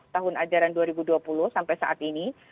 tahun ajaran dua ribu dua puluh sampai saat ini